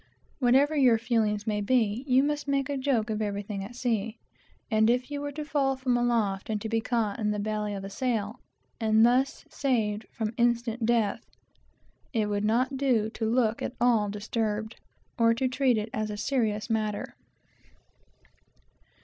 Whatever your feelings may be, you must make a joke of everything at sea; and if you were to fall from aloft and be caught in the belly of a sail, and thus saved from instant death, it would not do to look at all disturbed, or to make a serious matter of it.